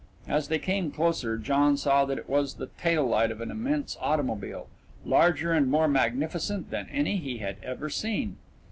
As they came closer, John saw that it was the tail light of an immense automobile, larger and more magnificent than any he had ever seen.